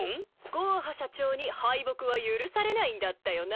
ゴーハ社長に敗北は許されないんだったよな？